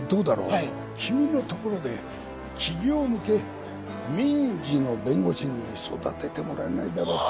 はい君のところで企業向け民事の弁護士に育ててもらえないだろうか？